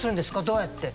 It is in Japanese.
どうやって？